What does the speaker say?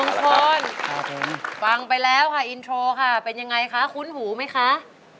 ลุงมึงคนฟังไปแล้วค่ะอินโทรค่ะเป็นอย่างไรคะคุ้นหูไหมคะ